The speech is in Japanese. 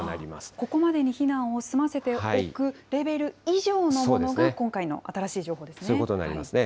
ここまでに避難を済ませておくレベル以上のものが、今回の新そういうことになりますね。